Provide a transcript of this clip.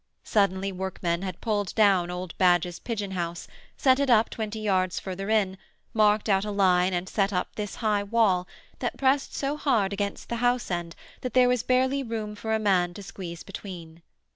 Suddenly workmen had pulled down old Badge's pigeon house, set it up twenty yards further in, marked out a line and set up this high wall that pressed so hard against the house end that there was barely room for a man to squeeze between.